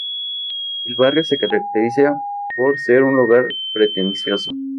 El barrio se caracteriza por ser un lugar pretencioso.